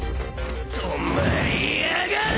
止まりやがれ！